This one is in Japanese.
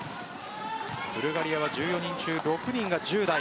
ブルガリアは１４人中、６人が１０代。